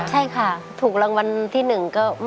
ใช่ค่ะถูกรางวัลที่หนึ่ง